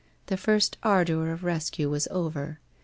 The first ardour of rescue was over.